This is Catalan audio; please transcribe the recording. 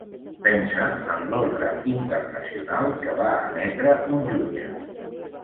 Pensa en l'ordre internacional que va emetre un jutge.